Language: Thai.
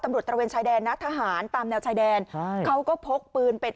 ตระเวนชายแดนนะทหารตามแนวชายแดนเขาก็พกปืนเป็น